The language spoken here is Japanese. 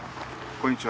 こんにちは。